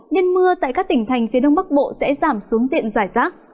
nên mưa tại các tỉnh thành phía đông bắc bộ sẽ giảm xuống diện giải rác